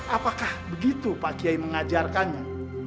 apakah begitu pak kiai mengajarkannya